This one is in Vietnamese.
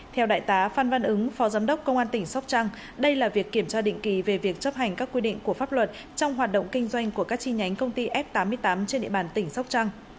theo đại tá phan văn ứng phó giám đốc công an tỉnh sóc trăng đây là việc kiểm tra định kỳ về việc chấp hành các quy định của pháp luật trong hoạt động kinh doanh của các chi nhánh công ty f tám mươi tám trên địa bàn tỉnh sóc trăng